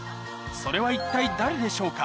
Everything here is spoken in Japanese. それは一体誰でしょうか？